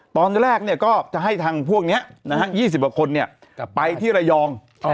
ตอนแรกก็จะให้ทางพวกนี้๒๐กว่าคนไปที่ระยอง